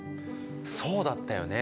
そうだったよね。